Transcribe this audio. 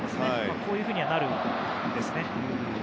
こういうふうにはなるんですね。